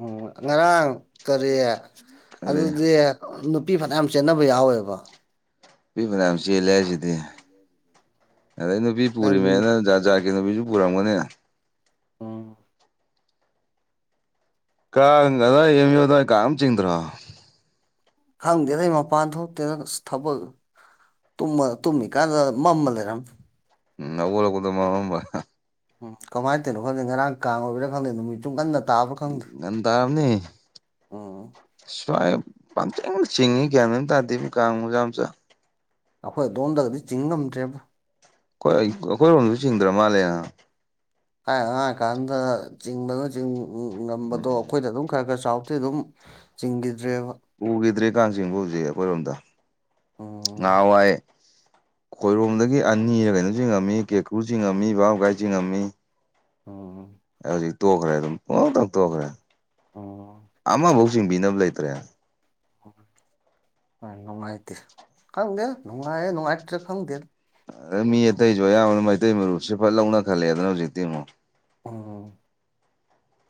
ꯎꯝ ꯉꯔꯥꯡ ꯀꯔꯤ ꯑꯔꯦ ꯑꯗꯨꯗꯤ ꯅꯨꯄꯤ ꯐꯅꯌꯥꯝ ꯆꯦꯟꯅꯕ ꯌꯥꯍꯧꯋꯦꯕ꯫ ꯅꯨꯄꯤ ꯐꯅꯌꯥꯝ ꯆꯦꯜꯂꯦ ꯍꯥꯏꯁꯤꯗꯤ ꯑꯗꯩ ꯅꯨꯄꯤ ꯅꯪꯁꯨ ꯄꯨꯔꯤꯃꯦꯅ ꯖꯥꯠ ꯖꯥꯠꯀꯤ ꯅꯨꯄꯤꯖꯨ ꯄꯨꯔꯝꯒꯅꯤ꯫ ꯎꯝ꯫ ꯀꯥꯡꯒ ꯑꯗꯨꯋꯥꯗ ꯑꯦꯝ ꯌꯨ ꯑꯗꯨꯋꯥꯏ ꯀꯥꯡꯒ ꯑꯝ ꯆꯤꯡꯗ꯭ꯔꯣ꯫ ꯈꯪꯗꯦꯗ ꯑꯩ ꯃꯄꯥꯟ ꯊꯣꯛꯇꯦꯗ ꯑꯁ ꯊꯕꯛ ꯇꯨꯝꯃ ꯇꯨꯝꯃꯤꯀꯥꯟꯗ ꯃꯝꯃ ꯂꯩꯔꯝꯃꯦ꯫ ꯎꯝ ꯈꯧꯒꯠꯂꯛꯄꯗ ꯃꯝꯃꯝꯕ꯫ ꯎꯝ ꯀꯃꯥꯏ ꯇꯩꯅꯣ ꯈꯪꯗꯦ ꯉꯔꯥꯡ ꯀꯥꯡ ꯑꯣꯏꯕꯩꯔꯥ ꯈꯪꯗꯦ ꯅꯨꯃꯤꯠꯆꯨ ꯉꯟꯅ ꯇꯥꯕꯥ ꯈꯪꯗꯦ꯫ ꯉꯟ ꯇꯥꯔꯝꯅꯤ꯫ ꯎꯝ ꯁ꯭ꯋꯥꯏ ꯄꯪꯆꯤꯡꯗ ꯆꯤꯡꯉꯤ ꯒꯌꯥꯟ ꯑꯝ ꯇꯥꯗꯦ ꯀꯥꯡ ꯃꯆꯥ ꯃꯆꯥ꯫ ꯑꯩꯈꯣꯏ ꯑꯗꯣꯝꯗꯒꯗꯤ ꯆꯤꯡ ꯉꯝꯗ꯭ꯔꯦꯕꯣ꯫ ꯑꯥꯈꯣꯏ ꯑꯩ ꯑꯩꯈꯣꯏꯔꯣꯝꯗꯁꯨ ꯆꯤꯡꯗ꯭ꯔ ꯃꯥꯜꯂꯦꯍꯥ꯫ ꯊꯥꯏꯅ ꯑꯥꯉꯥꯡ ꯑꯣꯏꯔꯤ ꯀꯥꯟꯗ ꯆꯤꯡꯕꯗ ꯆꯤꯡ ꯉꯝꯕꯗꯣ ꯎꯝ ꯑꯩꯈꯣꯏꯗ ꯑꯗꯨꯝ ꯈꯔ ꯈꯔ ꯆꯥꯎ ꯇꯤ ꯑꯗꯨꯝ ꯆꯤꯡꯈꯤꯗ꯭ꯔꯦꯕ꯫ ꯎꯒꯤꯗ꯭ꯔꯦ ꯀꯥꯡ ꯆꯤꯡꯕꯨ ꯍꯧꯖꯤꯛ ꯑꯩꯈꯣꯏꯔꯣꯝꯗ ꯎꯝ ꯉꯥꯍꯥꯋꯥꯏ ꯈꯣꯏꯔꯣꯝꯗꯒꯤ ꯑꯅꯤꯔ ꯀꯩꯅꯣ ꯆꯤꯡꯉꯝꯃꯤ ꯀꯦꯀꯔꯨ ꯆꯤꯡꯉꯝꯃꯤ ꯕꯥꯕꯣꯟ ꯂꯩꯀꯥꯏ ꯆꯤꯡꯉꯝꯃꯤ꯫ ꯑꯣ꯫ ꯑꯩ ꯍꯧꯖꯤꯛ ꯇꯣꯛꯈ꯭ꯔꯦ ꯑꯗꯨꯝ ꯄꯪꯇꯣꯛ ꯇꯣꯛꯈ꯭ꯔꯦ ꯎꯝ ꯑꯃꯕꯥꯎ ꯆꯤꯡꯕꯤꯅꯕ ꯂꯩꯇ꯭ꯔꯦ꯫ [unintelligible] ꯅꯨꯡꯉꯥꯏꯇꯦ ꯈꯪꯗꯦ ꯅꯨꯡꯉꯥꯏꯔ ꯅꯨꯡꯉꯥꯏꯇ꯭ꯔꯤꯔ ꯈꯪꯗꯦ꯫ ꯑꯗ ꯃꯤ ꯑꯇꯩꯖꯨ ꯑꯌꯥꯝꯕꯅ ꯃꯩꯇꯩ ꯃꯔꯨꯞꯁꯦ ꯐꯅ ꯂꯧꯅ ꯈꯠꯂꯛꯑꯦꯗꯨꯅ ꯍꯧꯖꯤꯛꯇꯤ ꯑꯃꯨꯛ꯫ ꯎꯝ꯫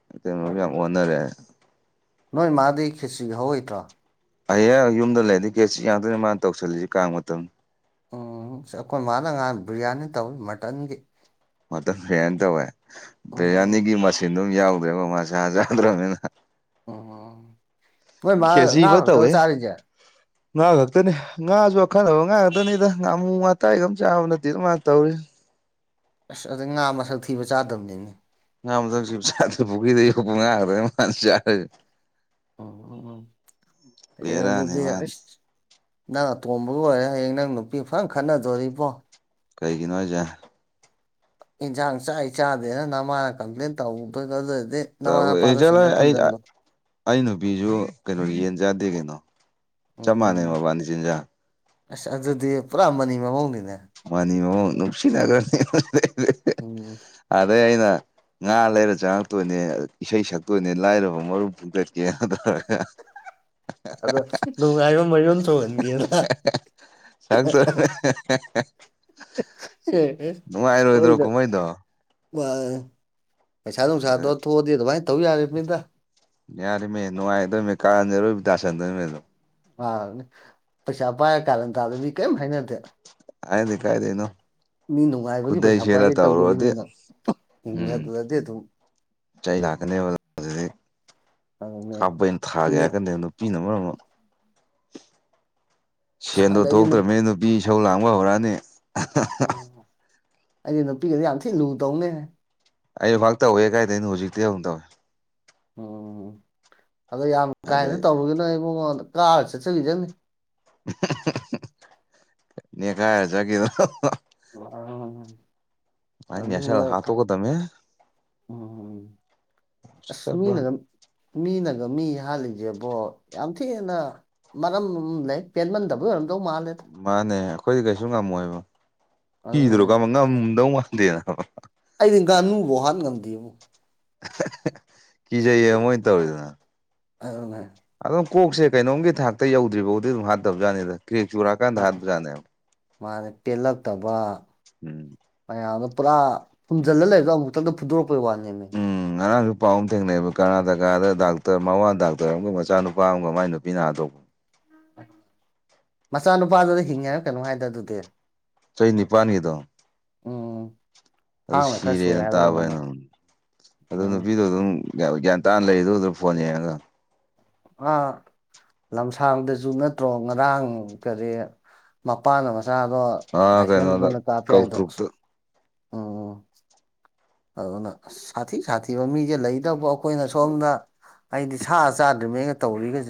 [unintelligible] ꯑꯗꯨ ꯌꯥꯝ ꯑꯣꯟꯅꯔꯦ ꯅꯣꯏ ꯃꯥꯗꯤ ꯈꯦꯠꯆꯤꯒ ꯍꯧꯍꯩꯇ꯭ꯔꯣ ꯍꯩꯌꯦꯡ ꯌꯨꯝꯗ ꯂꯩꯔꯗꯤ ꯈꯦꯠꯁꯤ ꯉꯥꯛꯇꯅꯤ ꯃꯥꯅ ꯇꯧꯁꯜꯂꯤꯁꯤ ꯀꯥꯡ ꯃꯇꯝ ꯎꯝ ꯑꯈꯣꯏ ꯃꯥꯅ ꯉꯍꯥꯟ ꯕ꯭ꯔꯤꯌꯥꯅꯤ ꯇꯧꯋꯤ ꯃꯔꯇꯟꯒꯤ ꯃꯇꯟ ꯐꯔꯦꯌꯥꯟ ꯇꯧꯋꯦ ꯎꯝ ꯕꯔꯦꯌꯥꯅꯤꯒꯤ ꯃꯁꯤꯟꯗꯨꯝ ꯌꯥꯎꯗ꯭ꯔꯦꯕ ꯃꯥꯁꯥ ꯆꯥꯗ꯭ꯔꯅꯤꯅ ꯎꯝ ꯅꯣꯏ ꯃꯥ ꯉꯥ ꯈꯦꯆꯤꯕ ꯈꯛꯇꯔꯣ ꯇꯧꯋꯦ ꯆꯥꯔꯤꯁꯦ ꯉꯥ ꯈꯛꯇꯅꯤ ꯉꯥꯁꯨ ꯑꯈꯟꯅꯕ ꯉꯥ ꯈꯥꯛꯛꯇꯅꯤꯗ ꯉꯥꯃꯨ ꯉꯇꯥꯏꯒ ꯑꯝ ꯆꯥꯕ ꯅꯠꯇꯦ ꯃꯥꯅ ꯇꯧꯔꯤ ꯑꯁ ꯑꯗꯩ ꯉꯥ ꯃꯁꯛ ꯊꯤꯕ ꯆꯥꯗꯕꯅꯦꯃꯦ [unintelligible] ꯎꯝ ꯎꯝ ꯎꯝ ꯍꯌꯦꯡ ꯕꯦꯔꯅꯤ ꯑꯗꯨꯗꯤ ꯃꯥ ꯑꯩꯁ ꯅꯪ ꯑꯇꯣꯝꯕ ꯑꯣꯏꯔꯦ ꯍꯌꯦꯡ ꯅꯪ ꯅꯨꯄꯤ ꯐꯔꯪ ꯈꯠꯅꯗꯣꯔꯤꯕꯣ ꯀꯩꯒꯤꯅꯣ ꯍꯥꯏꯁꯦ ꯏꯟꯁꯥꯡ ꯆꯥꯏ ꯆꯥꯗꯦꯅ ꯅꯃꯥꯅ ꯀꯝꯄ꯭ꯂꯦꯟ ꯇꯧꯕꯗꯅꯦ ꯇꯧꯌꯦ ꯑꯩꯆꯠꯂꯣꯏ ꯑꯩ ꯑꯩ ꯅꯨꯄꯤꯖꯨ ꯀꯩꯅꯣ ꯌꯦꯟ ꯆꯥꯗꯦ ꯀꯩꯅꯣ ꯆꯞ ꯃꯥꯟꯅꯩ ꯎꯝ ꯃꯕꯥꯅꯤ ꯆꯤꯟꯖꯥꯛ ꯑꯁ ꯑꯗꯨꯗꯤ ꯄꯨꯔꯥ ꯃꯅꯤ ꯃꯃꯧꯅꯤꯅꯦ ꯃꯥꯅꯤ ꯃꯃꯧ ꯅꯨꯡꯁꯤꯅꯈ꯭ꯔꯅꯤ ꯎꯝ ꯑꯗꯩ ꯑꯩꯅ ꯉꯥ ꯂꯩꯔ ꯆꯪꯉꯛꯇꯣꯏꯅꯦ ꯏꯁꯩ ꯁꯛꯇꯣꯏꯅꯦ ꯂꯥꯏꯔꯕ ꯃꯔꯨ ꯐꯨꯛꯇꯠꯀꯦ ꯇꯧꯔꯒ ꯑꯗꯣ ꯅꯨꯡꯉꯥꯏꯕ ꯃꯌꯨꯝ ꯁꯣꯡꯍꯟꯒꯦꯅ ꯁꯛ [unintelligible] ꯅꯨꯡꯉꯥꯏꯔꯣꯏꯗ꯭ꯔꯣ ꯀꯨꯝꯍꯩꯗꯣ ꯃꯥꯅꯤ ꯄꯩꯁꯥ ꯅꯨꯡꯁꯥꯗꯣ ꯊꯣꯛꯑꯗꯤ ꯑꯗꯨꯃꯥꯏ ꯇꯧ ꯌꯥꯔꯤꯝꯅꯤꯗ ꯌꯥꯔꯤꯝꯃꯦ ꯅꯨꯡꯉꯥꯏꯗꯣꯏꯃꯦ ꯀꯥꯟꯅꯔꯨꯞ ꯗꯁꯟꯗꯣꯏꯃꯦ ꯗꯨꯝ ꯃꯥꯟꯅꯦ ꯄꯩꯁꯥ ꯄꯥꯏꯔ ꯀꯥꯔꯟ ꯇꯥꯕꯗꯤ ꯀꯌꯤꯝ ꯍꯥꯏꯅꯗꯦ ꯍꯥꯏꯗꯦ ꯀꯥꯏꯗꯩꯅꯣ ꯃꯤ ꯅꯨꯡꯉꯥꯏꯕꯒꯤ ꯈꯨꯗꯩ ꯄꯩꯁꯥ ꯁꯦꯠꯂ ꯄꯥꯏꯕꯩ ꯇꯧꯔꯨꯔꯗꯤ ꯇꯧꯖꯔꯤꯅꯤꯅ ꯎꯝ ꯑꯗꯨꯗꯗꯤ ꯑꯗꯨꯝ ꯆꯩ ꯂꯥꯛꯀꯅꯦꯕ ꯑꯗꯨꯅꯦ ꯈꯥꯕꯩꯅ ꯊꯥꯒꯦ ꯍꯥꯏꯔꯛꯀꯅꯤ ꯅꯨꯄꯤꯅ ꯃꯔꯣꯝ ꯑꯃ ꯑꯁ ꯁꯦꯟꯗꯣ ꯈꯪꯗꯦ ꯑꯩꯗꯤ ꯊꯣꯛꯇ꯭ꯔꯝꯅꯤ ꯅꯨꯄꯤ ꯏꯁꯧ ꯂꯥꯡꯕ ꯍꯧꯔꯛꯑꯅꯤ ꯑꯩꯗꯤ ꯅꯨꯄꯤꯒꯗꯤ ꯌꯥꯝ ꯊꯤ ꯂꯨ ꯇꯧꯅꯦ ꯑꯩꯁꯨꯐꯥꯛ ꯇꯧꯋꯦ ꯀꯥꯏꯗꯩꯅꯣ ꯍꯧꯖꯤꯛꯇꯩ ꯍꯧꯅ ꯇꯧꯋꯦ ꯎꯝ ꯑꯗꯣ ꯌꯥꯝ ꯀꯥꯏꯅ ꯑꯗꯩ ꯇꯧꯔꯨꯒꯤ ꯅꯣꯍꯦ ꯏꯕꯨꯉꯣꯟ ꯀꯥꯔ ꯆꯠꯆꯒꯤꯖꯅꯤ ꯅꯦꯈꯥꯏꯔ ꯆꯠꯒꯤꯗꯅꯕ ꯑ ꯃꯥꯏ ꯅꯦꯁꯜꯂ ꯑꯗꯨꯒ ꯍꯥꯠꯇꯣꯛꯀꯗꯝꯅꯦ ꯎꯝ ꯑꯁ ꯃꯤ ꯎꯁꯤꯠꯇꯕ ꯅꯒꯝ ꯃꯤꯅꯒ ꯃꯤ ꯍꯥꯜꯂꯤꯖꯦꯕꯣ ꯌꯥꯝ ꯊꯤꯅ ꯃꯔꯝꯃꯝ ꯂꯩ ꯄꯦꯟꯃꯟꯗꯕꯩ ꯑꯣꯏꯔꯝꯗꯧ ꯃꯥꯜꯂꯦꯗ ꯃꯥꯅꯦ ꯑꯩꯈꯣꯏꯗꯤ ꯀꯩꯁꯨ ꯉꯝꯃꯣꯏꯕ ꯑꯗꯨꯅꯦ ꯀꯤꯗꯨꯔꯣ ꯀꯝꯕ ꯉꯝꯗꯧ ꯃꯥꯟꯗꯦ ꯅꯕ ꯑꯩꯗꯤ ꯉꯥꯅꯨꯕꯧ ꯍꯥꯠ ꯉꯝꯗꯦꯕ ꯀꯤꯖꯩꯌꯦ ꯃꯣꯏ ꯇꯧꯔꯤ ꯗꯣꯅ ꯑꯗꯨꯅꯦ ꯑꯗꯨꯝ ꯀꯣꯛꯁꯦ ꯀꯩꯅꯣꯝꯒꯤ ꯊꯥꯛꯇ ꯌꯧꯗ꯭ꯔꯤꯕꯥꯎꯗꯤ ꯑꯗꯨꯝ ꯍꯥꯠꯇꯕꯖꯥꯠꯅꯤꯗ ꯀꯔꯦꯛ ꯆꯨꯔꯑꯀꯥꯟꯗ ꯍꯥꯠꯄꯖꯥꯠꯅꯦꯕ ꯃꯥꯅꯦ ꯄꯦꯜꯂꯛꯇꯕ ꯎꯝ ꯃꯌꯥꯝꯗꯣ ꯄꯨꯔꯥ ꯐꯨꯝꯖꯤꯜꯂ ꯂꯩꯕꯗꯣ ꯑꯃꯨꯛꯇꯪꯗ ꯐꯨꯗꯣꯔꯛꯄꯩ ꯋꯥꯅꯦꯕ ꯎꯝ ꯉꯔꯥꯡꯁꯨ ꯄꯥꯎ ꯑꯃ ꯊꯦꯡꯅꯩꯑꯕ ꯀꯔꯅꯥꯇꯀꯥꯗ ꯗꯥꯛꯇꯔ ꯃꯋꯥ ꯗꯥꯛꯇꯔ ꯑꯃꯒ ꯃꯆꯥꯅꯨꯄꯥ ꯑꯃꯒ ꯃꯥꯏ ꯅꯨꯄꯤꯅ ꯍꯥꯠꯗꯣꯛ ꯃꯆꯥꯅꯨꯄꯥꯗꯨꯗ ꯍꯤꯡꯉꯦ ꯍꯥꯏꯕ ꯀꯩꯅꯣꯝ ꯍꯥꯏꯗ ꯑꯗꯨꯗꯤ ꯆꯍꯤ ꯅꯤꯄꯥꯟꯒꯤꯗꯣ ꯎꯝ ꯑꯗꯨ ꯊꯥꯡꯅ ꯈꯔ ꯁꯣꯏ ꯁꯤꯔꯦꯅ ꯍꯥꯏꯕ ꯇꯥꯕ ꯀꯩꯅꯣꯝꯃ ꯍꯥꯏꯅ ꯑꯣ ꯎꯝ ꯅꯨꯄꯤꯗꯣ ꯑꯗꯨꯝ ꯒ꯭ꯌꯥꯟ ꯇꯥꯅ ꯂꯩꯔꯤꯗꯨꯗ ꯐꯣꯟ ꯌꯦꯡꯉꯒ ꯂꯝꯁꯥꯡꯗꯁꯨ ꯅꯠꯇ꯭ꯔꯣ ꯉꯔꯥꯡ ꯀꯔꯤ ꯃꯄꯥꯥꯟꯅ ꯃꯆꯥꯗꯣ ꯑꯥ ꯀꯩꯅꯣꯗ ꯂꯥꯏꯁꯦꯟꯁꯗꯨꯅ ꯀꯥꯞꯄ ꯍꯥꯏꯗꯣ ꯀꯧꯇ꯭ꯔꯨꯛꯇ ꯎꯝ ꯑꯗꯨꯅ ꯁꯥꯊꯤ ꯁꯥꯊꯤꯕ ꯃꯤꯁꯦ ꯂꯩꯇꯕꯨ ꯑꯩꯈꯣꯏꯅ ꯁꯣꯝꯗ ꯑꯩꯗꯤ ꯁꯥ ꯆꯥꯗ꯭ꯅꯦꯒ ꯇꯧꯔꯤꯒꯁꯦ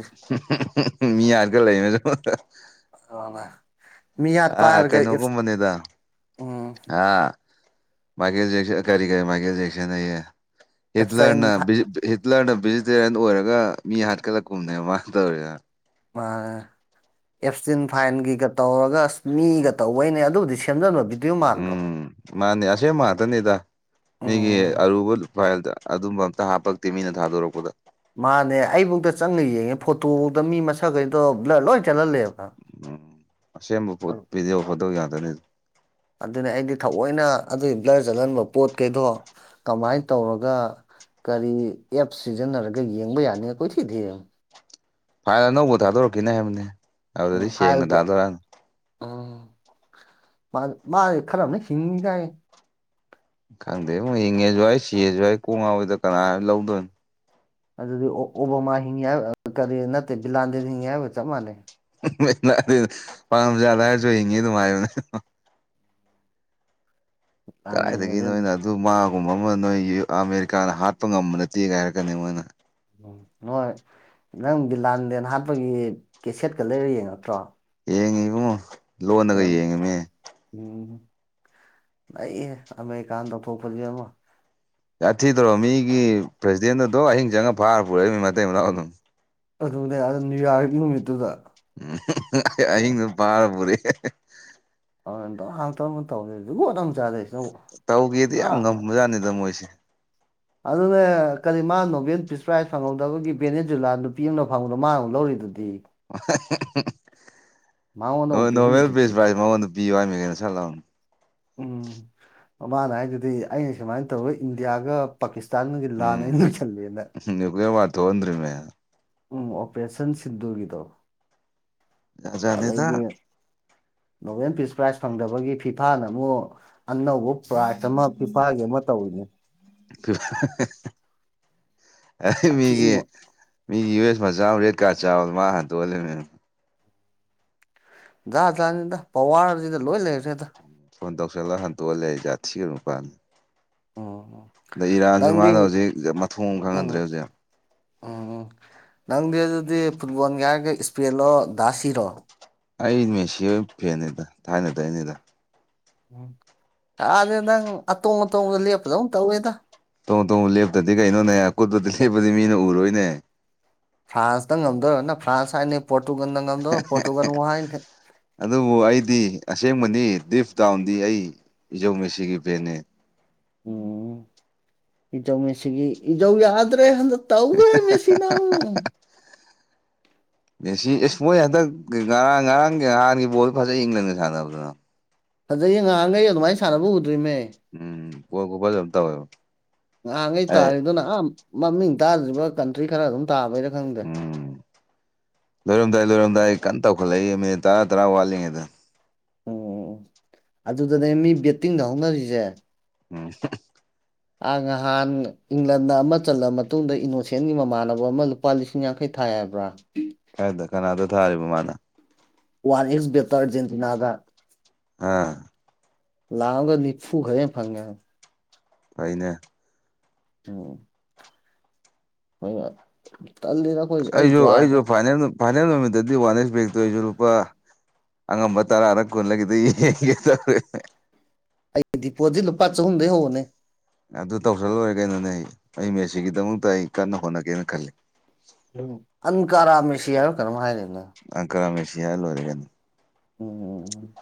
ꯃꯤ ꯌꯥꯔꯒ ꯂꯩ ꯃ [unintelligible] ꯑ ꯃꯤꯌꯥꯠ ꯄꯥꯏꯔꯒꯐ ꯎꯝ ꯍꯥꯥ ꯃꯥꯒꯤꯖꯦꯛꯁꯟ ꯀꯔꯤ ꯀꯔꯤ ꯃꯥꯒꯤꯖꯦꯦꯛꯁꯟꯌꯦ ꯏꯠ ꯑꯦꯞꯁꯇꯥꯏꯟ ꯂꯅ ꯍꯤꯠꯂꯔꯅ ꯚꯦꯖꯤꯇꯦꯔꯤꯌꯟ ꯑꯣꯏꯔꯒ ꯃꯤ ꯍꯥꯠꯀꯠꯂꯛꯄꯨꯝꯕꯅꯦꯕ ꯃꯥꯅ ꯇꯧꯔꯤꯗ ꯃꯥ ꯑꯦꯞꯁꯇꯤꯟ ꯐꯥꯏꯟꯒꯤꯒ ꯇꯧꯔꯒ ꯑꯁ ꯃꯤꯒ ꯇꯧꯕꯩꯅꯦ ꯑꯗꯨꯕꯨꯗꯤ ꯁꯦꯝꯖꯅꯕ ꯕꯤꯗꯤꯑꯣ ꯃꯥꯟꯗ꯭ꯔꯣ ꯃꯥꯅꯤ ꯑꯁꯤꯁꯦ ꯃꯥꯇꯅꯤꯗꯥ ꯃꯤꯒꯤ ꯎꯝ ꯑꯔꯨꯕ ꯐꯥꯏꯜꯗ ꯑꯗꯨꯝꯕ ꯑꯝꯇ ꯍꯥꯞꯄꯛꯇꯦ ꯃꯤꯅ ꯊꯥꯗꯣꯔꯛꯄꯗ ꯃꯥꯅꯦ ꯑꯩꯕꯨꯧꯗ ꯆꯪꯉ ꯌꯦꯡꯉꯦ ꯐꯣꯇꯣꯐꯧꯗ ꯃꯤ ꯃꯁꯛꯈꯩꯗꯣ ꯂꯣꯏ ꯆꯜꯍꯜꯂꯦꯕ ꯎꯝ ꯑꯁꯦꯡꯕ ꯄꯣꯠ ꯚꯤꯗꯤꯑꯣ ꯐꯣꯠꯇꯧ ꯌꯥꯗꯣꯏꯅꯤ ꯑꯗꯨꯅ ꯑꯩꯗꯤ ꯊꯑꯣꯏꯅ ꯑꯗꯨꯒꯤ ꯕ꯭ꯂꯔ ꯆꯠꯍꯟꯕ ꯄꯣꯠꯈꯩꯗꯣ ꯀꯃꯥꯏꯅ ꯇꯧꯔꯒ ꯀꯔꯤ ꯑꯦꯞ ꯁꯤꯖꯤꯟꯅꯔꯒ ꯌꯦꯡꯕ ꯌꯥꯅꯤ ꯀꯣꯏꯊꯤꯗꯤ ꯐꯥꯏꯜ ꯑꯅꯧꯕ ꯊꯥꯗꯣꯔꯛꯈꯤꯅꯦ ꯍꯥꯏꯕꯅꯦ ꯎꯝ ꯐꯥꯏꯜ ꯀꯌꯥ ꯎꯝ ꯃꯥ ꯃꯥ ꯈꯅ ꯍꯤꯡꯉꯤꯒꯥꯏ ꯈꯪꯗꯦ ꯑꯃꯨꯛ ꯍꯤꯡꯉꯦꯁꯨ ꯑꯩ ꯁꯤꯔꯁꯨ ꯑꯩ ꯀꯣꯡ ꯉꯥꯎꯋꯏꯗ ꯀꯅꯥ ꯂꯧꯗꯣꯏꯅꯣ ꯑꯗꯨꯗꯤ ꯑꯣꯕꯣꯃꯥ ꯍꯤꯡꯉꯦ ꯍꯥꯏꯕ ꯀꯔꯤ ꯅꯠꯇꯦ ꯕꯤꯂꯥꯟꯗ ꯍꯤꯡꯉꯦ ꯍꯥꯏꯕꯞ ꯃꯥꯟꯅꯩ ꯄꯥꯝꯁꯨ ꯑꯗꯏꯔꯁꯨ ꯍꯤꯡꯉꯤ ꯑꯗꯨꯝ ꯍꯥꯏꯕꯅꯦ ꯀꯗꯥꯏꯗꯒꯤ ꯂꯥꯟꯗꯦꯟꯒꯁꯦ ꯅꯣꯏꯅ ꯑꯗꯨ ꯃꯥꯒꯨꯝꯕ ꯑꯃ ꯅꯣꯏ ꯑꯃꯦꯔꯤꯀꯥꯅ ꯍꯥꯠꯄ ꯉꯝꯕ ꯅꯠꯇꯦꯒꯥꯏ ꯍꯥꯏꯔꯛꯀꯅꯤ ꯃꯣꯏꯅ ꯎꯝ ꯅꯣꯏ ꯅꯪꯗꯤ ꯂꯥꯟꯗꯦꯟ ꯍꯥꯠꯄꯒꯤ ꯀꯦꯁꯦꯠꯀ ꯂꯩꯔ ꯌꯦꯡ ꯅꯠꯇ꯭ꯔꯣ ꯌꯦꯉ ꯏꯕꯣ ꯎꯝ ꯑꯩꯍꯦ ꯑꯃꯦꯀꯥꯟ ꯇꯧꯊꯣꯛꯄꯁꯤ ꯑꯃ ꯊꯤꯗꯧꯔꯣ ꯃꯤꯒꯤ ꯄ꯭ꯔꯁꯤꯗꯦꯟ ꯑꯗꯣ ꯑꯍꯤꯡ ꯆꯪꯉꯒ ꯐꯥꯔ ꯄꯨꯔꯛꯏꯅꯤ ꯃꯇꯩ ꯃꯅꯥꯎ ꯑꯗꯨꯝ ꯑꯗꯨꯅꯦ ꯑ ꯅ꯭ꯌꯨꯌꯥꯔꯛ ꯅꯨꯃꯤꯠꯇꯨꯗ ꯎꯝ ꯑꯍꯤꯡꯗꯨꯣ ꯄꯥꯔ ꯄꯨꯔꯦ [inaudible] ꯇꯧꯒꯦꯗꯤ ꯌꯥꯝ ꯑꯥ ꯉꯝꯕꯖꯥꯠꯅꯤꯗ ꯃꯣꯏꯁꯦ ꯑꯗꯨꯅ ꯀꯔꯤ ꯃꯥ ꯅꯣꯕꯦꯜ ꯐꯤꯁ ꯄ꯭ꯔꯥꯏꯖ ꯐꯪꯍꯧꯗꯕꯒꯤ ꯕꯦꯅꯤꯖꯨꯂꯥ ꯅꯨꯄꯤ ꯑꯃꯅ ꯐꯪꯍꯧꯗꯕ ꯃꯥ ꯑꯃꯛ ꯂꯧꯔꯤꯗꯨꯗꯤ ꯃꯉꯣꯟꯗ ꯑꯃꯨꯛ ꯅꯣꯔꯃꯦꯜ ꯄꯤꯍꯜꯂꯤꯗꯨꯗꯤ ꯐꯦꯖ ꯄ꯭ꯔꯥꯏꯖ ꯃꯉꯣꯟꯗ ꯄꯤꯌꯨ ꯍꯥꯏꯏ ꯃ ꯀꯩꯅꯣ ꯁꯠꯂꯅꯤ ꯎꯝ ꯃꯃꯥꯅ ꯍꯥꯏꯗꯨꯗꯤ ꯑꯩꯅ ꯁꯨꯃꯥꯏꯅ ꯇꯧꯔ ꯏꯟꯗꯤꯌꯥꯒ ꯄꯥꯀꯤꯁꯇꯥꯟꯒꯤ ꯂꯥꯟ ꯑꯩꯅꯣꯏꯁꯜꯂꯦꯅ ꯀꯦꯕ ꯇꯣꯟ꯭ꯔꯔꯤꯃꯦ ꯎꯝ ꯑꯣꯄꯔꯦꯁꯟ ꯁꯤꯟꯗꯨꯒꯤꯗꯣ ꯖꯥꯠ ꯖꯥꯠꯅꯤꯗ ꯑꯗꯩꯗꯤ ꯅꯣꯕꯦꯜ ꯐꯤꯁ ꯄ꯭ꯔꯥꯏꯖ ꯐꯪꯗꯕꯒꯤ ꯐꯤꯐꯥꯅ ꯑꯃꯨꯛ ꯑꯅꯧꯕ ꯄ꯭ꯔꯥꯠ ꯑꯃ ꯄꯤꯄꯥꯥꯒꯦ ꯑꯃ ꯇꯧꯅꯦ ꯑꯩ ꯃꯤꯒꯤ ꯁꯥꯊꯤꯅ ꯃꯤꯒꯤ ꯌꯨ ꯑꯦꯁ ꯃꯆꯥ ꯔꯦꯠ ꯀꯥꯔꯠ ꯆꯥꯎꯔ ꯃꯥ ꯍꯟꯗꯣꯛꯍꯜꯂꯤꯕꯃꯤꯅ ꯥ ꯇꯥꯅꯤꯗ ꯄꯋꯥꯔꯁꯤꯗ ꯂꯣꯏ ꯂꯩꯔ꯭ꯔꯦꯗ ꯐꯣꯟ ꯇꯧꯁꯤꯜꯂꯒ ꯍꯟꯗꯣꯛꯑꯂ ꯂꯩ ꯑꯩ ꯥ ꯊꯤꯒꯤ ꯅꯨꯄꯥꯥꯟꯅꯤ ꯑꯣ ꯑꯗ ꯏꯔꯥꯟꯁꯨ ꯃꯥꯅ ꯍꯧꯖꯤꯛ ꯃꯊꯣꯡ ꯎꯝ ꯈꯪꯍꯟꯗ꯭ꯔꯦ ꯍꯧꯖꯤꯛ ꯎꯝ ꯅꯪꯗꯤ ꯑꯗꯨꯗꯤ ꯐꯨꯠꯕꯣꯜ ꯍꯥꯏꯔꯒ ꯏꯁꯄꯔꯤꯜꯂꯣ ꯗꯥ ꯁꯤꯔꯣ ꯑꯩ ꯃꯦꯁꯤ ꯐꯦꯟꯅꯤꯗ ꯊꯥꯏꯅꯗꯣꯏꯅꯤꯗ ꯎꯝ ꯌꯥꯗꯦ ꯅꯪ ꯑꯇꯣꯡ ꯑꯇꯣꯡꯕꯗ ꯂꯦꯞꯄꯗꯧ ꯇꯧꯋꯦꯗ ꯇꯣꯡꯉꯨ ꯇꯣꯡꯉꯣ ꯂꯦꯞꯇꯗꯤ ꯀꯩꯅꯣꯅꯦ ꯑꯀꯨꯠꯄꯗꯤ ꯂꯦꯞꯄꯗꯤ ꯃꯤꯅ ꯎꯔꯣꯏꯅꯦ ꯐ꯭ꯔꯥꯟꯁꯇ ꯉꯝꯗꯧꯔꯅ ꯐ꯭ꯔꯥꯟꯁ ꯍꯥꯏꯅ ꯄꯣꯔꯇꯨꯒꯜꯗ ꯉꯝꯗꯧꯔ ꯄꯣꯔꯇꯨꯒꯜ ꯑꯃꯨꯛ ꯍꯥꯏ ꯑꯗꯨꯕꯨ ꯑꯩꯗꯤ ꯑꯁꯦꯡꯕꯅꯤ ꯗꯤꯞ ꯗꯥꯎꯟꯗꯤ ꯑꯩ ꯏꯖꯧ ꯃꯦꯁꯤꯒꯤ ꯕꯦꯟꯅꯦ ꯎꯝ ꯏꯖꯧ ꯃꯦꯁꯤꯒꯤ ꯏꯖꯧ ꯌꯥꯗ꯭ꯔꯦ ꯍꯟꯗꯛ ꯇꯧꯈ꯭ꯔꯦ ꯃꯦꯁꯤꯅ ꯑꯃꯨꯛ [unintelligible] ꯃꯦꯁꯤ ꯑꯦꯁ ꯃꯣꯏ ꯍꯟꯗꯛ ꯉꯔꯥꯡ ꯉꯔꯥꯡꯒꯤ ꯅꯥꯟꯒꯤ ꯕꯣꯜ ꯐꯖꯩ ꯏꯪꯂꯟꯒ ꯁꯥꯟꯅꯕꯗꯨꯅ ꯐꯖꯩꯌꯦ ꯉꯔꯍꯥꯡꯒꯩ ꯑꯗꯨꯃꯥꯏꯅ ꯁꯥꯟꯅꯕ ꯎꯗ꯭ꯔꯤꯃꯦ ꯎꯝ ꯕꯣꯜ ꯒꯨꯒꯜ ꯑꯝ ꯇꯧꯑꯦꯕ ꯉꯍꯥꯟꯈꯩ ꯇꯥꯔꯤꯗꯨꯅ ꯑ ꯃꯃꯤꯡ ꯇꯥꯗ꯭ꯔꯤꯕ ꯀꯟꯇ꯭ꯔꯤ ꯈꯔ ꯑꯗꯨꯝ ꯇꯥꯕꯩꯩꯔ ꯈꯪꯗ ꯎꯝ ꯂꯣꯏꯔꯝꯗꯥꯏ ꯂꯣꯏꯔꯝꯗꯥꯏ ꯀꯟꯅ ꯇꯧꯈꯠꯂꯛꯏ ꯃꯤꯅꯤꯠ ꯇꯔꯥ ꯇꯔꯥ ꯋꯥꯠꯂꯤꯉꯩꯗ ꯑꯣ ꯑꯣ ꯑꯗꯨꯗꯅꯦ ꯃꯤ ꯕꯦꯠꯇꯤꯡꯗ ꯍꯧꯅꯔꯤꯁꯦ ꯎꯝ ꯍꯨꯝ ꯑ ꯉꯍꯥꯟ ꯏꯪꯂꯟꯗ ꯑꯃ ꯆꯜꯂ ꯃꯇꯨꯡꯗ ꯏꯅꯣꯁꯦꯟꯒꯤ ꯃꯃꯥꯟꯅꯕ ꯑꯃ ꯂꯨꯄꯥ ꯂꯤꯁꯤꯡ ꯌꯥꯡꯈꯩ ꯊꯥꯏ ꯍꯥꯢꯕ꯭ꯔꯥ ꯀꯥꯢꯗ ꯀꯅꯥꯗ ꯊꯥꯔꯤꯕ ꯃꯥꯅ ꯋꯥꯟ ꯑꯦꯛꯁ ꯕꯦꯇꯔ ꯇꯔ ꯖꯦꯟꯇꯤꯅꯥꯗ ꯑ ꯂꯥꯛꯑꯝꯒ ꯅꯤꯐꯨ ꯈꯔꯥꯍꯦꯟ ꯐꯪꯉꯦꯕꯟ ꯐꯩꯅꯦ ꯎꯝ ꯍ ꯇꯜꯂꯤꯗ ꯑꯩꯈꯣꯏ ꯑꯩ ꯑꯩꯁꯨ ꯑꯩꯁꯨ ꯖ꯭ꯋꯥꯔꯅꯦ ꯐꯥꯏꯅꯦꯜ ꯐꯥꯏꯅꯦꯜ ꯅꯨꯃꯤꯠꯗꯤ ꯋꯥꯟ ꯑꯦꯁ ꯕꯦꯛꯇ ꯑꯩꯁꯨ ꯂꯨꯄꯥ ꯑꯉꯝꯕ ꯇꯔꯥꯔ ꯀꯨꯟꯂ ꯈꯤꯠꯇ ꯌꯦꯡ ꯇꯧ ꯑꯩ ꯗꯤꯄꯣꯖꯤ ꯂꯨꯄꯥ ꯆꯍꯨꯝꯗꯩ ꯍꯧꯕꯅꯦ ꯑꯗꯨ ꯇꯧꯁꯜ ꯂꯣꯏꯔꯦ ꯀꯩꯅꯣꯅꯦ ꯑꯩ ꯃꯦꯁꯤꯒꯤꯗꯃꯛꯇ ꯑꯩ ꯀꯟꯅ ꯍꯣꯠꯅꯒꯦꯅ ꯈꯜꯂꯤ ꯑꯟꯀꯥꯔꯥ ꯃꯦꯁꯤ ꯍꯥꯏꯕ ꯀꯩꯅꯣꯝ ꯍꯥꯏꯗꯥꯢꯅꯦ ꯑꯪꯀꯔꯥ ꯃꯦꯁꯤꯌ ꯍꯥꯢꯔ ꯂꯣꯔꯦ ꯀꯩꯅꯣ ꯎꯝ ꯎꯝ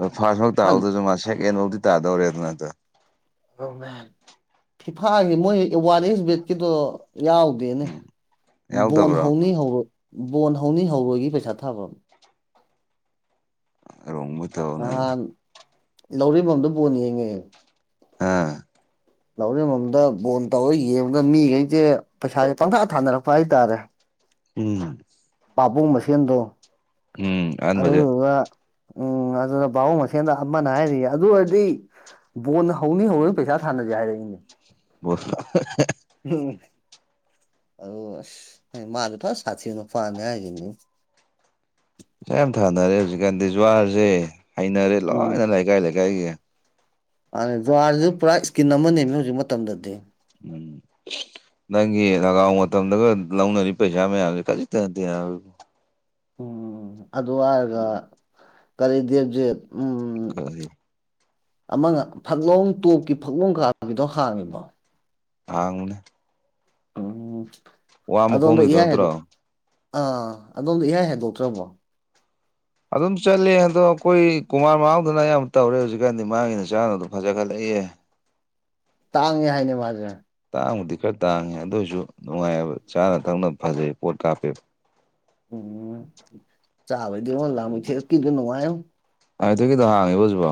ꯗꯣ ꯐꯥꯔꯠꯐꯥꯎ ꯇꯥꯍꯧꯗꯁꯨ ꯃꯥ ꯁꯦꯀꯦꯟꯐꯥꯎꯗꯤ ꯇꯥꯗꯧꯔꯦ ꯑꯗꯣ ꯐꯤꯐꯥꯒꯤ ꯃꯣꯏ ꯋꯥꯟ ꯑꯦꯁ ꯕꯦꯠꯀꯤꯗꯣ ꯌꯥꯎ ꯗꯦꯅꯦ ꯎꯝ ꯕꯣꯟ ꯌꯥꯎꯗꯕ꯭ꯔꯣ ꯍꯧꯅꯤ ꯍꯧꯔꯣꯏ ꯕꯣꯟ ꯍꯧꯅꯤ ꯍꯧꯔꯣꯏꯒꯤ ꯄꯩꯁꯥ ꯊꯥꯕꯝ ꯑꯥꯔꯣꯡ ꯃꯨꯠ ꯅꯍꯥꯟ ꯂꯧꯔꯦꯝꯕꯝꯗ ꯕꯣꯜꯟ ꯌꯦꯡꯉꯦ ꯑꯥ ꯂꯧꯔꯦꯝꯕꯝꯗ ꯕꯣꯜ ꯇꯧꯔꯒ ꯌꯦꯡꯕꯗ ꯃꯤꯈꯩꯁꯦ ꯄꯩꯁꯥꯁꯦ ꯄꯪꯊꯥ ꯊꯥꯅꯔꯛꯄ ꯍꯥꯏꯇꯥꯔꯦ ꯎꯝ ꯄꯥꯕꯨꯡ ꯃꯁꯦꯟꯗꯣ ꯎꯝ ꯑꯍꯥꯟꯕꯁꯦ ꯑꯗꯨꯗꯨꯒ ꯎꯝ ꯑꯗꯨꯅ ꯄꯥꯕꯨꯡ ꯃꯁꯦꯜꯗ ꯑꯃꯅ ꯍꯥꯏꯔꯤꯌꯦ ꯑꯗꯨ ꯑꯣꯏꯔꯗꯤ ꯕꯣꯟ ꯍꯧꯅꯤ ꯍꯧꯔꯣꯢ ꯄꯩꯁꯥ ꯊꯥꯅꯁꯦ ꯍꯥꯏꯔꯛꯏꯅꯦ ꯕꯣꯜꯁ ꯎꯝ ꯑꯗꯨꯒ ꯑꯁ ꯃꯥꯗꯤ ꯐ ꯁꯥꯊꯤꯕ ꯅꯨꯄꯥꯅꯦ ꯍꯥꯏꯁꯤꯅꯤ ꯄꯥ ꯌꯥꯝ ꯊꯥꯅꯔꯦ ꯍꯧꯖꯤꯛꯀꯥꯟꯗꯤ ꯖꯨꯋꯥꯔꯁꯦ ꯍꯩꯅꯔꯦ ꯎꯝ ꯂꯣꯏꯅ ꯂꯩꯀꯥꯏ ꯂꯩꯀꯥꯏꯒꯤ ꯃꯥꯅꯤ ꯖꯥꯔꯁꯤꯁꯨ ꯄꯨꯔꯥ ꯏꯁꯀꯤꯟ ꯑꯃꯅꯦꯕ ꯍꯧꯖꯤꯛ ꯃꯇꯝꯗꯗꯤ ꯎꯝ ꯅꯪꯒꯤ ꯅꯒꯥꯎ ꯃꯇꯝꯗꯒ ꯂꯧꯅꯔꯤꯕ ꯄꯩꯁꯥ ꯃꯌꯥꯝꯁꯦ ꯈꯖꯤꯛꯇꯠꯇꯦꯅ ꯎꯝ ꯑꯗꯨ ꯍꯥꯏꯔꯒ ꯀꯔꯤ ꯗꯦꯞꯖꯤꯠ ꯀꯔꯤ ꯑꯃꯒ ꯐꯛꯂꯣꯡ ꯇꯣꯞꯀꯤ ꯐꯛꯂꯣꯡ ꯀꯥꯕꯤꯗꯣ ꯍꯥꯡꯉꯤꯕꯣ ꯍꯥꯡꯕꯅꯦ ꯎꯝ ꯋꯥ ꯑꯗꯣꯝꯗ ꯃꯈꯣꯡꯒꯤꯗꯣ ꯏꯍꯥꯏ ꯍꯥꯏꯗꯣꯛ ꯅꯠꯇ꯭ꯔꯣ ꯑꯥ ꯑꯗꯣꯝꯗ ꯏꯍꯥꯏ ꯍꯥꯏꯗꯣꯛꯇ꯭ꯔꯕꯣ ꯑꯗꯨꯝ ꯆꯠꯂꯦ ꯑꯗꯣ ꯑꯩꯈꯣꯏ ꯀꯨꯃꯥꯔ ꯃꯅꯥꯎꯗꯅ ꯌꯥꯝ ꯇꯧꯔꯦ ꯍꯧꯖꯤꯛꯀꯥꯟꯗꯤ ꯃꯥꯒꯤꯅ ꯆꯥꯅꯕꯗꯣ ꯐꯖꯈꯠꯂꯛꯏꯌꯦ ꯇꯥꯡꯉꯦ ꯍꯥꯏꯅꯦ ꯃꯥꯖꯦ ꯇꯥꯡꯕꯨꯗꯤ ꯈꯔ ꯇꯥꯡꯉꯦ ꯑꯗꯨ ꯑꯣꯏꯔꯁꯨ ꯅꯨꯡꯉꯥꯏꯑꯕ ꯆꯥꯅ ꯊꯛꯅꯕ ꯐꯖꯩ ꯄꯣꯠ ꯀꯥꯞꯄꯦꯕ ꯎꯝ ꯆꯥꯕꯗꯤ ꯋꯥ ꯂ ꯊ ꯀꯗꯨ ꯅꯨꯡꯉꯥꯏꯉꯣ ꯑꯗꯨꯒꯤꯗ ꯍꯥꯡꯉꯦꯕ ꯍꯧꯖꯤꯕꯣ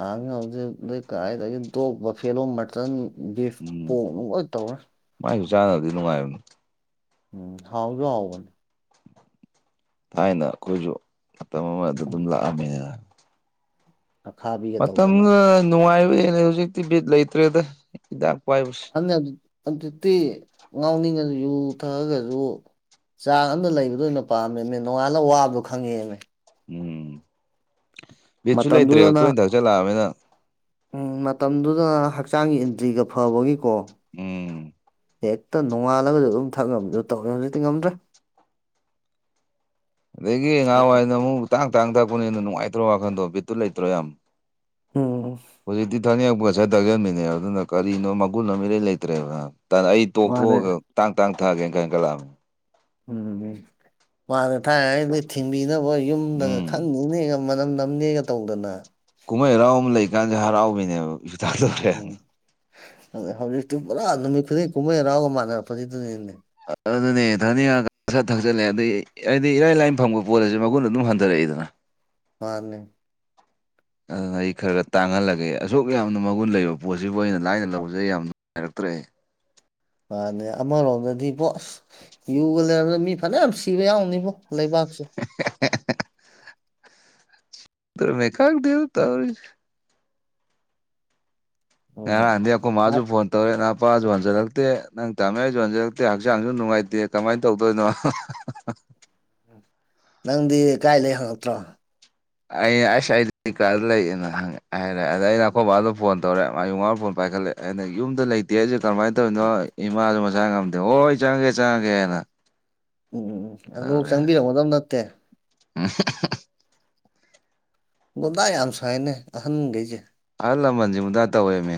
ꯍꯥꯡꯅ ꯍꯧꯖꯤꯛ ꯑꯗꯩ ꯀꯗꯥꯥꯏꯗꯒꯤ ꯇꯣꯛꯄ ꯐꯦꯂꯣꯝ ꯃꯇꯟ ꯒꯤꯐ ꯎꯝ ꯄꯣꯛ ꯅꯨꯡꯒ ꯇꯧꯔꯦ ꯃꯥꯏꯁꯨ ꯆꯥꯅꯕꯗꯤ ꯅꯨꯡꯉꯥꯏꯕꯅꯤ ꯍꯥꯎꯖꯨ ꯍꯥꯎꯕꯅꯦ ꯊꯥꯏꯅ ꯑꯩꯈꯣꯏꯁꯨ ꯃꯇꯝ ꯑꯃꯗ ꯎꯝ ꯑꯗꯨꯝ ꯂꯥꯛꯑꯝꯃꯦꯅ ꯑ ꯈꯥꯕꯤ ꯃꯇꯝꯗꯨꯅ ꯅꯨꯡꯉꯥꯏꯕ ꯍꯦꯟꯂꯤ ꯍꯧꯖꯤꯛꯇꯤ ꯕꯤꯠ ꯂꯩꯇ꯭ꯔꯦꯗ ꯍꯤꯗꯥꯛ ꯄꯥꯏꯕꯁꯦ ꯑ ꯑꯗꯨꯛꯇꯤ ꯉꯥꯎꯅꯤꯡꯉꯁꯨ ꯌꯨ ꯊꯛꯑꯒꯁꯨ ꯆꯥꯡ ꯑꯃꯗ ꯂꯩꯕꯗꯣ ꯑꯣꯏꯅ ꯄꯥꯝꯃꯦꯅꯦ ꯅꯣꯡꯉꯥꯂ ꯋꯥꯕꯗꯣ ꯈꯪꯉꯦꯃꯦ ꯎꯝ ꯕꯤꯠꯁꯨ ꯂꯩꯇ꯭ꯔꯦꯕ ꯃꯇꯝꯗꯨꯗꯅ ꯇꯣꯏꯅ ꯊꯛꯆꯜꯂꯛꯑꯕꯅꯤꯅ ꯎꯝ ꯃꯇꯝꯗꯨꯗ ꯍꯛꯆꯥꯡꯒꯤ ꯑꯦꯟꯇ꯭ꯔꯤꯒ ꯐꯕꯒꯤꯀꯣ ꯎꯝ ꯍꯦꯛꯇ ꯅꯣꯡꯉꯥꯂꯁꯨ ꯑꯗꯨꯝ ꯊꯛꯉꯝꯃꯤꯗ ꯇꯧꯔꯦ ꯍꯧꯖꯤꯛꯇꯤ ꯉꯝꯗ꯭ꯔꯦ ꯑꯗꯒꯤ ꯉꯍꯥꯟꯋꯥꯏꯅ ꯑꯃꯨꯛ ꯇꯥꯡ ꯇꯥꯡ ꯊꯛꯄꯅꯤꯅ ꯅꯨꯡꯉꯥꯏꯇ꯭ꯔꯣ ꯋꯥꯈꯟꯗꯣ ꯕꯤꯠꯇꯨ ꯂꯩꯇ꯭ꯔꯣ ꯌꯥꯝ ꯎꯝ ꯍꯧꯖꯤꯛꯇꯤ ꯊꯛꯅꯤꯡꯉꯛꯄꯒ ꯁꯠ ꯊꯛꯆꯤꯟꯕꯤꯅꯦꯕ ꯑꯗꯨꯅ ꯀꯔꯤꯅꯣ ꯃꯒꯨꯟ ꯑꯃ ꯏꯔꯩ ꯂꯩꯇ꯭ꯔꯦꯕꯅ ꯑꯩ ꯃꯥꯅꯦ ꯇꯣꯛꯊꯣꯛꯑꯒ ꯇꯥꯡ ꯇꯥꯡ ꯊꯛꯑꯒꯦꯅ ꯈꯟꯀꯠꯂꯛꯑꯕꯅꯤ ꯎꯝ ꯎꯝ ꯃꯥꯅ ꯊꯥꯏ ꯍꯥꯏꯗꯤ ꯊꯤꯟꯕꯤꯅꯕ ꯌꯨꯝꯗꯒ ꯊꯛ ꯎꯝ ꯅ ꯅꯅꯦꯒ ꯃꯅꯝ ꯅꯝꯃꯦꯒ ꯇꯧꯗꯅ ꯀꯨꯝꯍꯩ ꯍꯔꯥꯎꯕ ꯑꯃ ꯂꯩꯀꯥꯟꯗ ꯍꯔꯥꯎꯕꯤꯅꯦꯕ ꯊꯛꯇꯔ꯭ꯦ ꯑ ꯍꯧꯖꯤꯛꯇꯤ ꯄꯨꯔꯥ ꯅꯨꯃꯤꯠ ꯈꯨꯗꯤꯡ ꯀꯨꯝꯍꯩ ꯍꯔꯥꯎꯒ ꯃꯥꯟꯅꯔꯛꯄꯒꯤꯗꯨꯅꯤꯅꯦ ꯑꯗꯨꯅꯦ ꯊꯛꯅꯤꯡꯉꯒ ꯈ ꯊꯛꯆꯜꯂꯦ ꯑꯗꯨ ꯍꯥꯏꯗꯤ ꯏꯔꯥꯏ ꯂꯥꯏꯅ ꯐꯪꯕ ꯄꯣꯠ ꯑꯁꯤ ꯃꯒꯨꯟ ꯑꯗꯨꯝ ꯍꯟꯊꯔꯛꯏꯗꯅ ꯃꯥꯅꯦ ꯑꯗꯨꯅ ꯑꯩ ꯈꯔ ꯈꯔ ꯇꯥꯡꯍꯜꯂꯒꯦ ꯑꯁꯨꯛ ꯌꯥꯝꯅ ꯃꯒꯨꯟ ꯂꯩꯕ ꯄꯣꯠꯁꯤꯕꯨ ꯑꯩꯅ ꯂꯥꯏꯅ ꯂꯧꯖꯩ ꯌꯥꯝ ꯅꯨꯡꯉꯥꯏꯔꯛꯇ꯭ꯔꯦ ꯃꯥꯅꯦ ꯑꯃꯔꯣꯝꯗꯗꯤꯕꯣ ꯑꯁ ꯌꯨꯒ ꯂꯩꯔꯝꯗ ꯃꯤ ꯐꯅ ꯌꯥꯝ ꯁꯤꯕ ꯌꯥꯎꯅꯤꯕꯣ ꯂꯩꯕꯥꯛꯁꯨ ꯑꯗꯨꯅꯦ ꯈꯡꯗꯦꯕꯣ ꯇꯧꯔꯤꯁꯦ ꯉꯔꯥꯡꯗꯤ ꯑꯩꯈꯣꯏ ꯃꯥꯁꯨ ꯐꯣꯟ ꯇꯧꯔꯦ ꯅꯥꯄꯥꯁꯨ ꯍꯟꯖꯜꯂꯛꯇꯦ ꯅꯪ ꯇꯥꯃꯣ ꯌꯥꯏꯁꯨ ꯍꯟꯖꯜꯂꯛꯇꯦ ꯍꯛꯆꯥꯡꯁꯨ ꯅꯨꯡꯉꯥꯏꯇꯦ ꯀꯃꯥꯏꯅ ꯇꯧꯗꯣꯏꯅꯣ [inaudible] ꯅꯪꯗꯤ ꯀꯥꯏ ꯂꯩ ꯍꯪꯉꯛꯇ꯭ꯔꯣ ꯑꯩ ꯑꯩꯁ ꯑꯥꯏ ꯗꯤ ꯀꯥꯗ ꯂꯩꯌꯦꯅ ꯍꯥꯏꯔꯦ ꯑꯗ ꯑꯩꯅ ꯑꯩꯈꯣꯏꯕꯥꯗ ꯐꯣꯟ ꯇꯧꯔꯦ ꯃꯥꯌꯨ ꯉꯥꯎꯅ ꯐꯣꯟ ꯄꯥꯏꯈꯠꯂꯦ ꯑꯩꯅ ꯌꯨꯝꯗ ꯂꯩꯇꯦ ꯍꯥꯏꯁꯦ ꯀꯃꯥꯏꯅ ꯇꯧꯔꯤꯅꯣ ꯏꯃꯥꯁꯨ ꯃꯆꯥ ꯉꯝꯗꯦ ꯍꯣ ꯍꯣꯏ ꯆꯪꯉꯒꯦ ꯆꯪꯉꯒꯦꯅ ꯎꯝ ꯎꯝ ꯎꯝ ꯑꯗꯨꯕꯧ ꯆꯪꯕꯤꯔꯝꯒꯗꯕ ꯅꯠꯇꯦ ꯎꯝ ꯒꯨꯟꯗꯥ ꯌꯥꯝ ꯁꯥꯏꯅꯦ ꯑꯍꯟꯈꯩꯁꯦ ꯑꯍꯜ ꯂꯃꯟꯁꯤ ꯒꯨꯟꯗꯥ ꯇꯧꯋꯦꯃꯦ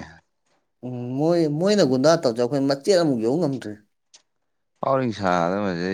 ꯎꯝ ꯃꯣꯏ ꯃꯣꯏꯅ ꯒꯨꯟꯗꯥ ꯇꯧꯁ ꯑꯩꯈꯣꯏ ꯃꯆꯦꯠ ꯑꯃꯨꯛ ꯌꯧꯕ ꯉꯝꯗ꯭ꯔꯦ ꯑꯐꯥꯎ ꯑꯔꯤꯟ ꯁꯥꯗꯅ ꯃꯁꯩꯗ